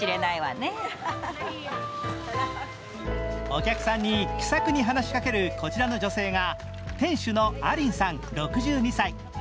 お客さんに気さくに話しかけるこちらの女性が店主のアリンさん６２歳。